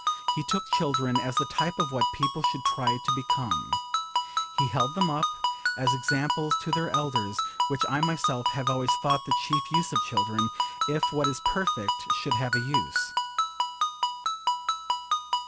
He took children as the type of what people should try to become. He held them up as examples to their elders, which I myself have always thought the chief use of children, if what is perfect should have a use.